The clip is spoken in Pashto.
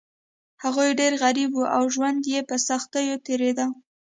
هغوی ډیر غریب وو او ژوند یې په سختیو تیریده.